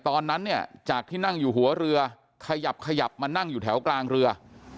ตอนนั้นเนี่ยจากที่นั่งอยู่หัวเรือขยับขยับมานั่งอยู่แถวกลางเรือ